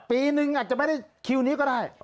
ปีนึงอาจจะไม่ได้คิวนี้ก็ได้